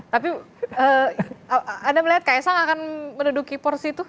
tapi anda melihat ks sang akan menduduki porsi itu